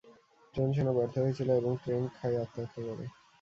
Train সেনা ব্যর্থ হয়েছিল এবং ট্রেন খাই আত্মহত্যা করে।